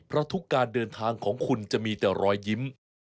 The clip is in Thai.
เพราะทุกการเดินทางของคุณจะมีแต่รอยยิ้ม